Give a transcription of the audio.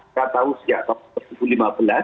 saya tahu sejak tahun dua ribu lima belas ya